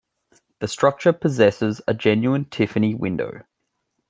The structure possesses a genuine Tiffany window.